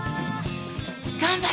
頑張れ！